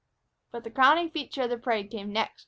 But the crowning feature of the parade came next.